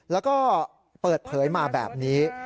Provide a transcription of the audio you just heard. แล้วก็เปิดเผยมาแบบนี้